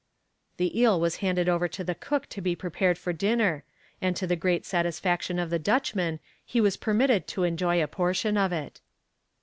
The eel was handed over to the cook to be prepared for dinner, and to the great satisfaction of the Dutchman he was permitted to enjoy a portion of it.